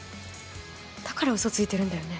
だから、うそついてるんだよね？